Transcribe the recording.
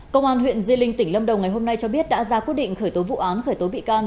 công an huyện di linh tỉnh lâm đồng ngày hôm nay cho biết đã ra quyết định khởi tố vụ án khởi tố bị can